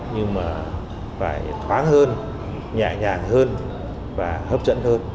nhưng mà phải thoáng hơn nhẹ nhàng hơn và hấp dẫn hơn